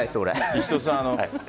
石戸さん